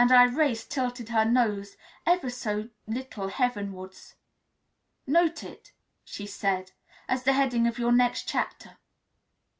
And Irais tilted her nose ever so little heavenwards. "Note it," she added, "as the heading of your next chapter."